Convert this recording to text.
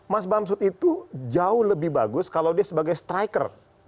mas bamsud itu jauh lebih bagus kalau dia sebagai striker